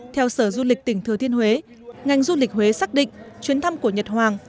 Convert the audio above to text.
theo sở du lịch tỉnh thừa thiên huế ngành du lịch huế xác định chuyến thăm của nhật hoàng